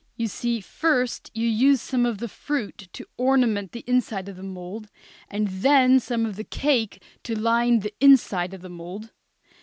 You see, first you use some of the fruit to ornament the inside of the mould, then some of the cake to line the inside of the mould.